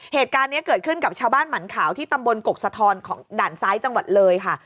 เหตุการณ์นี้เกิดขึ้นกับชาวบ้านหมันขาวที่ตำบลกกสะทอนของด่านซ้ายจังหวัดเลยค่ะ